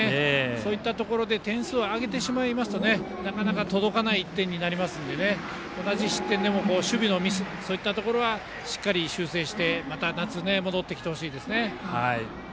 そういったところで点数をあげるとなかなか届かない１点になりますので同じ失点でも守備のミスという点はしっかり修正してまた夏戻ってきてほしいですね。